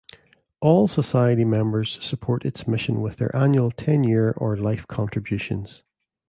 All society members support its mission with their annual, ten-year or life contributions.